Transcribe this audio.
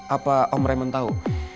apa om raymond tau